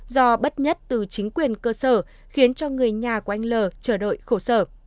do bất nhất từ chính quyền cơ sở khiến cho người nhà của anh l chờ đợi khổ sở